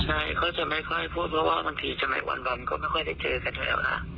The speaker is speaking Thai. ใช่เขาจะไม่ค่อยพูดเพราะว่าบางทีสมัยวันก็ไม่ค่อยได้เจอกันอยู่แล้วค่ะ